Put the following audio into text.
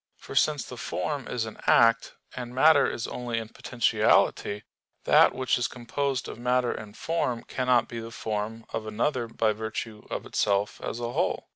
For since the form is an act, and matter is only in potentiality, that which is composed of matter and form cannot be the form of another by virtue of itself as a whole.